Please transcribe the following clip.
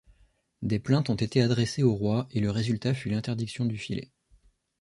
Des plaintes ont été adressées au roi et le résultat fut l’interdiction du filet.